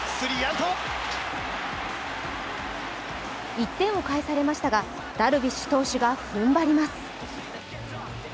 １点を返されましたがダルビッシュ投手が踏ん張ります。